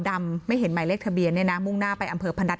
ไม่เห็นหมายเลขทะเบียนเนี่ยนะมุ่งหน้าไปอำเภอพนัท